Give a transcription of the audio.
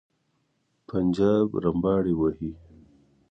پنجاب رمباړې وهي.